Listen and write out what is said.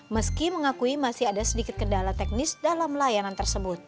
meski mengakui masih ada sedikit kendala teknis dalam layanan tersebut